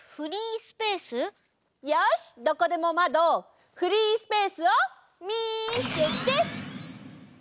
よしどこでもマドフリースペースをみせて！